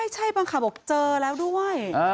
ใช่บางข่าวบอกเจอแล้วด้วย